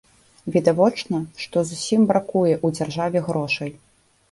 Відавочна, што зусім бракуе ў дзяржаве грошай.